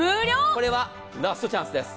これはラストチャンスです。